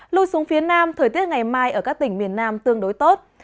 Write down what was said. lui xuống phía nam thời tiết ngày mai ở các tỉnh miền nam tương đối tốt